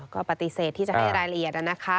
ก็ปฏิเสธที่จะให้รายละเอียดนะคะ